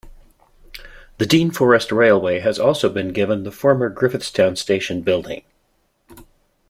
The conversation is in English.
The Dean Forest Railway has also been given the former Griffithstown Station building.